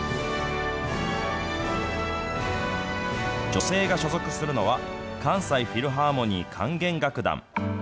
女性が所属するのは、関西フィルハーモニー管弦楽団。